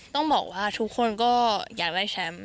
ต้องบอกว่าทุกคนก็อยากได้แชมป์